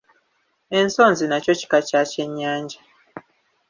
Ensonzi nakyo kika kya kyennyanja.